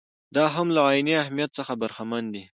دا هم له عیني اهمیت څخه برخمن دي.